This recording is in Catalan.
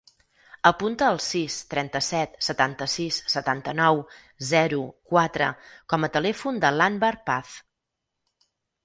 Apunta el sis, trenta-set, setanta-sis, setanta-nou, zero, quatre com a telèfon de l'Anwar Paz.